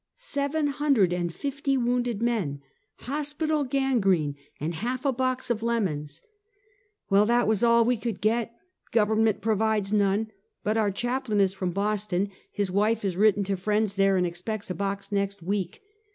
" Seven hundred and fifty wounded men! Hospital o ano rene, and half a box of lemons!" "Well, that was all we could get; Government pro vides none; but our Chaplain is from Boston — his wife has written to friends there and expects a box next week!"